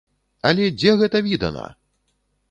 Але дзе гэта відана!